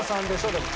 でも。